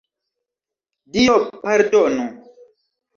Dio pardonu!